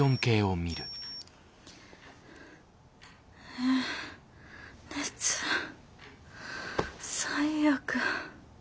え熱最悪。